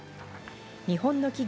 日本の企業